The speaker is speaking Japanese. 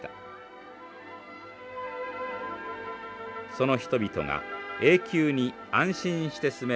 その人々が永久に安心して住める